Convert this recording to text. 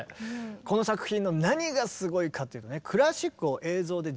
この作品の何がすごいかっていうとね